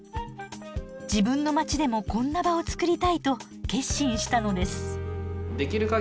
自分の街でもこんな場を作りたいと決心したのです。